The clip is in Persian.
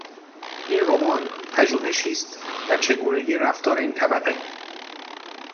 این رمان، پژوهشی است در چگونگی رفتار این طبقه.